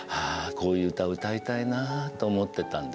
こういう歌を歌いたいなと思ってたんですよ。